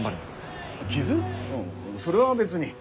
あぁそれは別に。